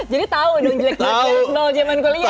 jadi tahu dong jeleknya saya